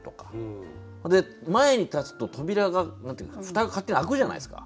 前に立つと蓋が勝手に開くじゃないですか。